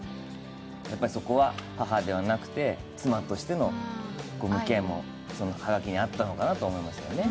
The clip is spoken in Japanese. やっぱりそこは母ではなくて妻としての向き合い方も葉書にはあったのかなと思います。